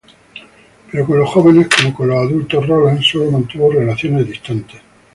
Pero con los jóvenes, como con los adultos, Rolland sólo mantuvo relaciones distantes.